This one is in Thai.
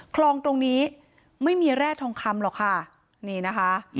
คลองตรงนี้ไม่มีแร่ทองคำหรอกค่ะนี่นะคะ